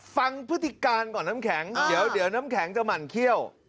พฤติการก่อนน้ำแข็งเดี๋ยวน้ำแข็งจะหมั่นเขี้ยว